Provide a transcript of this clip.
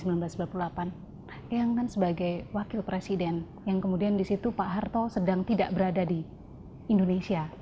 eyang kan sebagai wakil presiden yang kemudian disitu pak harto sedang tidak berada di indonesia